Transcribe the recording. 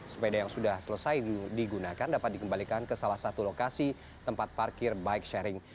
sepeda yang sudah selesai digunakan dapat dikembalikan ke salah satu lokasi tempat parkir bike sharing